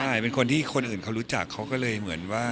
ใช่เป็นคนที่คนอื่นเขารู้จักเขาก็เลยเหมือนว่า